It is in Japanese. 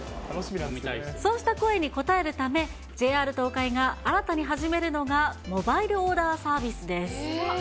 そうした声に応えるため、ＪＲ東海が新たに始めるのが、モバイルオーダーサービスです。